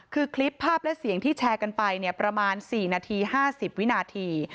คือคลิปภาพและเสียงที่แชร์กันไปประมาณ๔นาที๕๐วินาที